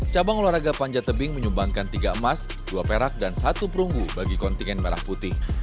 cabang olahraga panjat tebing menyumbangkan tiga emas dua perak dan satu perunggu bagi kontingen merah putih